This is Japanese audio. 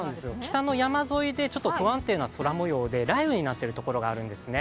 北の山沿いで不安定な空もようで雷雨になっているところがあるんですね。